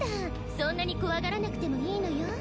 そんなに怖がらなくてもいいのよ。